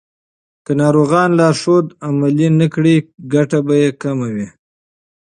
که ناروغان لارښود عملي نه کړي، ګټه به یې کمه وي.